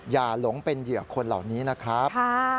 หลงเป็นเหยื่อคนเหล่านี้นะครับ